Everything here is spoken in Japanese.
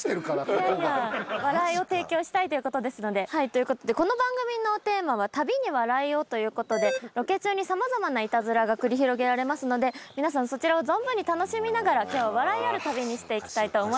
ということでこの番組のテーマは旅に笑いをということでロケ中に様々なイタズラが繰り広げられますので皆さんそちらを存分に楽しみながら今日は笑いある旅にしていきたいと思います。